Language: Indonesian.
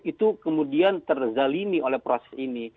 itu kemudian terzalini oleh proses ini